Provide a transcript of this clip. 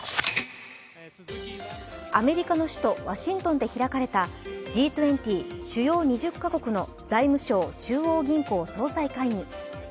アメリカの首都・ワシントンで開かれたＧ２０＝主要２０か国の財務相・中央銀行総裁会議。